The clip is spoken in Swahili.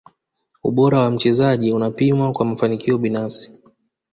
ubora wa mchezaji unapimwa kwa mafanikio binafsi